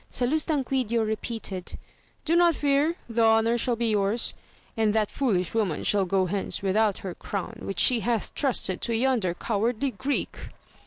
Salustanquidio repeated, do not fear, the honour shall be yours, and that foolish woman shall go hence with out her crown which she hath trusted to yonder cowardly Greek.